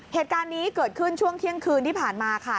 เหตุการณ์นี้เกิดขึ้นช่วงเที่ยงคืนที่ผ่านมาค่ะ